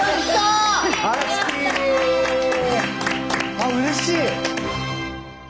あうれしい！